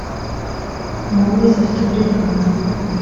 umuntu wese afite uburenganzira.